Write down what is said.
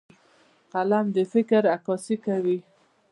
قلم د فکر عکاسي کوي